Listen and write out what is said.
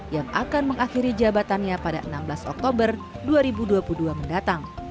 yang akan mengakhiri jabatannya pada enam belas oktober dua ribu dua puluh dua mendatang